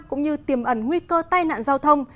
cũng như tiềm ẩn nguy cơ tai nạn giao thông